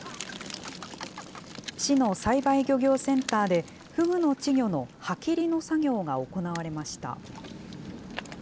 市の栽培漁業センターで、フグの稚魚の歯切りの作業が行われました。